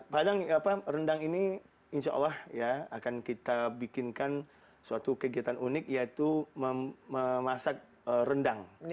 padang rendang ini insya allah akan kita bikinkan suatu kegiatan unik yaitu memasak rendang